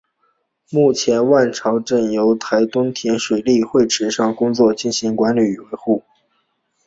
目前万朝圳由台东农田水利会池上工作站进行管理与维护。